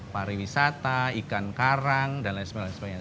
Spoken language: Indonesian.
pariwisata ikan karang dan lain sebagainya